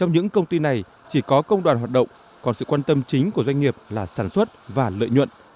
những công ty này chỉ có công đoàn hoạt động còn sự quan tâm chính của doanh nghiệp là sản xuất và lợi nhuận